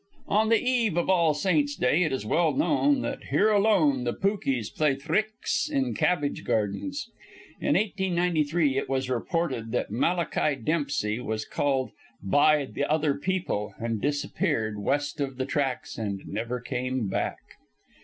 On the eve of All Saints' Day it is well known that here alone the pookies play thricks in cabbage gardens. In 1893 it was reported that Malachi Dempsey was called "by the other people," and disappeared west of the tracks, and never came back.